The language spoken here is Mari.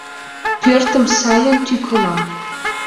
Пӧртым сайын тӱкыла